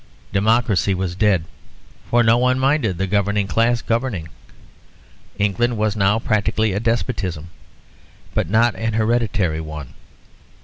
Democracy was dead; for no one minded the governing class governing. England was now practically a despotism, but not an hereditary one.